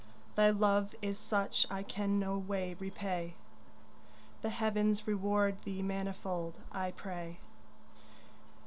Thy love is such I can no way repay, The heavens reward thee manifold, I pray.